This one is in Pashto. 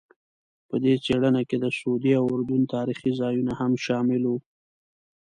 په دې څېړنه کې د سعودي او اردن تاریخي ځایونه هم شامل وو.